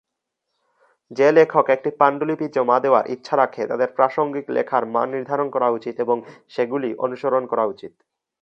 যে লেখক একটি পাণ্ডুলিপি জমা দেওয়ার ইচ্ছা রাখে তাদের প্রাসঙ্গিক লেখার মান নির্ধারণ করা উচিত এবং সেগুলি অনুসরণ করা উচিত।